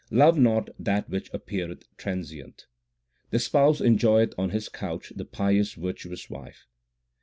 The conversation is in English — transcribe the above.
Love not that which appeareth transient. The Spouse enjoyeth on His couch the pious virtuous wife.